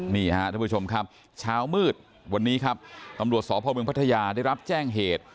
นี่ฮะท่านผู้ชมครับเช้ามืดวันนี้ครับตำรวจสพเมืองพัทยาได้รับแจ้งเหตุ